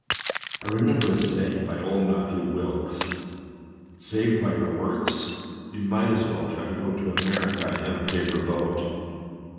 I remember a saying of old Matthew Wilkes :" Saved by your works ! you might as well try to go to America in a paper boat!"